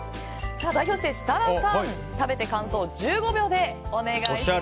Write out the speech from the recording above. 代表して設楽さん、食べて感想を１５秒でお願いします。